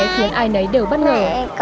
con đi với ai đi bình ạ